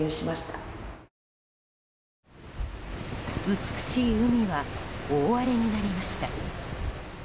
美しい海は大荒れになりました。